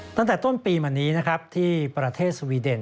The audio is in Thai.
ตั้งแต่ต้นปีมันนี้ที่ประเทศสวีเดน